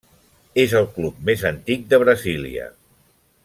És el club més antic de Brasília.